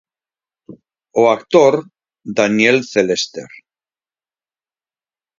O actor Daniel Celester.